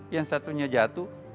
yang satunya jatuh